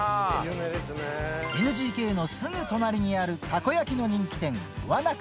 ＮＧＫのすぐ隣にあるたこ焼きの人気店、わなか。